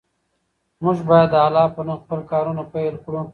موږ باید د الله په نوم خپل کارونه پیل کړو.